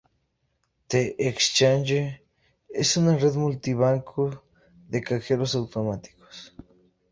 The Exchange es una red multi-banco de Cajeros Automáticos.